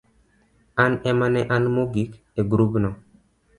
an ema ne an mogik e grubno.